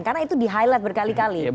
karena itu di highlight berkali kali